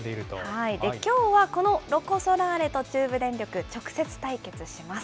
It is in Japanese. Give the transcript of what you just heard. きょうはこのロコ・ソラーレと中部電力、直接対決します。